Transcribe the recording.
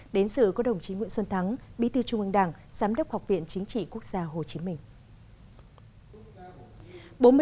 đến sự có đồng chí nguyễn xuân thắng bí thư trung ương đảng giám đốc học viện chính trị quốc gia hồ chí minh